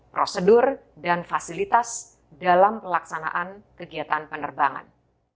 prosedur dan fasilitas dalam pelaksanaan kegiatan penerbangan